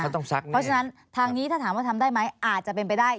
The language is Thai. เพราะฉะนั้นทางนี้ถ้าถามว่าทำได้ไหมอาจจะเป็นไปได้